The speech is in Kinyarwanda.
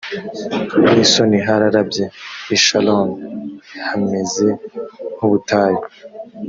n isoni hararabye i sharoni hameze nk ubutayu